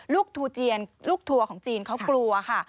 ลูกทัวร์ของจีนเขากลัวค่ะ